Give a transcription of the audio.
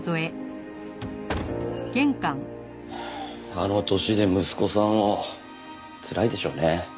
あの年で息子さんをつらいでしょうね。